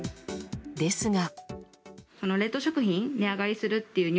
ですが。